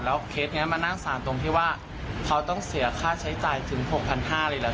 แล้วเคสนี้มันนั่งสานตรงที่ว่าเค้าต้องเสียค่าใช้จ่ายถึง๖๕๐๐บาทเลย